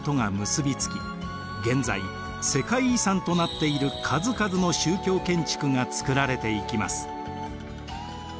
現在世界遺産となっている数々の宗教建築が造られていきます。